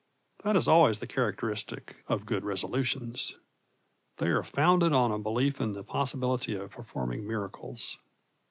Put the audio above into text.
That is always the characteristic of good resolutions. They are founded on a belief in the possibility of performing miracles.